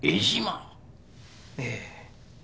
ええ。